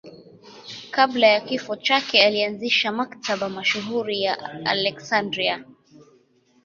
Kabla ya kifo chake alianzisha Maktaba mashuhuri ya Aleksandria.